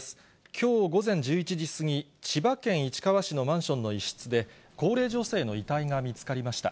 きょう午前１１時過ぎ、千葉県市川市のマンションの一室で、高齢女性の遺体が見つかりました。